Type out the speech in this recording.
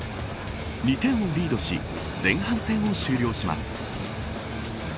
２点をリードし前半戦を終了します。